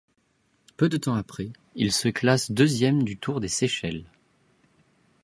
Peu de temps après, il se classe deuxième du Tour des Seychelles.